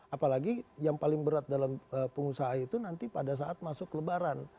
apalagi yang paling berat dalam pengusaha itu nanti pada saat masuk lebaran